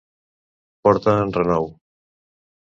Portar en renou.